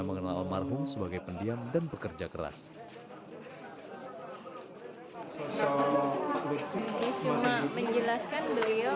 mengenal marhum sebagai pendiam dan bekerja keras hai sosok itu cuma menjelaskan beliau memang